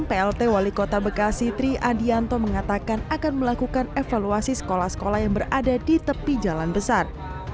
plt wali kota bekasi tri adianto mengatakan akan melakukan evaluasi sekolah sekolah yang berada di tepi jalan besar